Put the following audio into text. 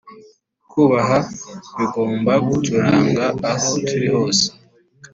Kubaha bigomba kuturanga aho turi hose